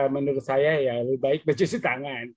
menurut saya ya lebih baik mencuci tangan